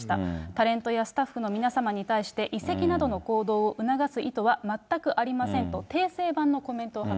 タレントやスタッフの皆様に対して、移籍などの行動を促す意図は全くありませんと、訂正版のコメント